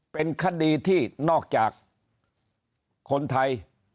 เป็นคดีที่นอกจากคนไทย